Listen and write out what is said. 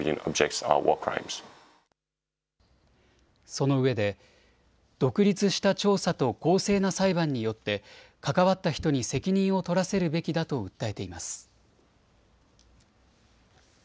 そのうえで独立した調査と公正な裁判によって関わった人に責任を取らせるべきだと訴えています。